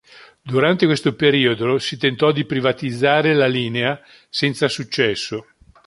Durante questo periodo si tentò di privatizzare la linea, senza successo.